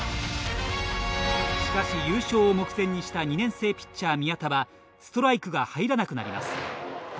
しかし、優勝を目前にした２年生ピッチャー・宮田はストライクが入らなくなります。